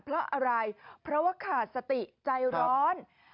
เพราะอะไรเพราะว่าขาดสติใจร้อน